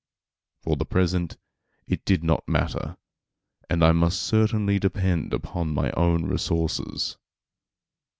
For the present it did not matter, and I must certainly depend upon my own resources.